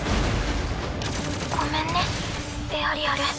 ごめんねエアリアル。